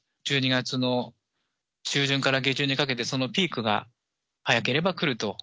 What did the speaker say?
１２月の中旬から下旬にかけて、そのピークが早ければ来ると。